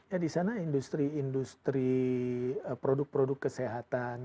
ya di sana industri industri produk produk kesehatan ya di kawasan kawasan